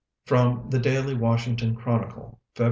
From "The Daily Washington Chronicle," Feb.